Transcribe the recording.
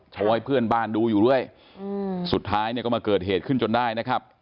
โชว์ให้เพื่อนบ้านดูอยู่เรื่อยสุดท้ายเนี่ยก็มาเกิดเหตุขึ้นจนได้นะครับ